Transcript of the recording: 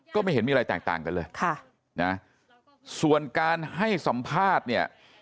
ก็ไม่เห็นมีอะไรแตกต่างกันเลยค่ะนะส่วนการให้สัมภาษณ์เนี่ย